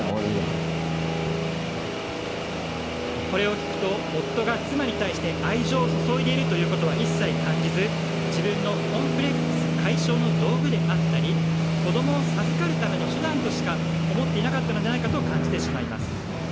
これを聞くと夫が妻に対して愛情を注いでいるということは一切感じず自分のコンプレックス解消の道具であったり子供を授かるための手段としか思っていなかったのではないかと感じてしまいます。